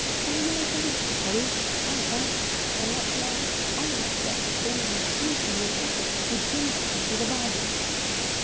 Can you make whisky toddy? I can; and, what's more, unlikely as the thing may seem to you, I can actually drink it into the bargain."